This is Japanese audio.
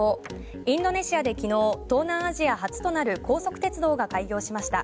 インドネシアで昨日東南アジア初となる高速鉄道が開業しました。